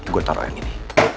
gua taro yang ini